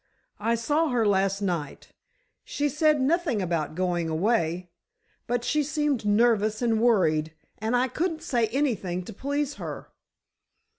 "I saw her last night. She said nothing about going away, but she seemed nervous and worried, and I couldn't say anything to please her."